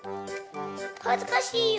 はずかしいよ！